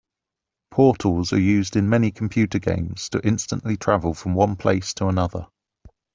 Portals are used in many computer games to instantly travel from one place to another.